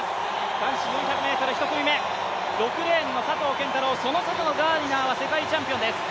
男子４００ｍ１組目、６レーンの佐藤拳太郎、その外のガーディナーは世界チャンピオンです。